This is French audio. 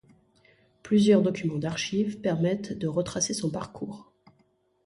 Plusieurs documents d'archives permettent de retracer son parcours.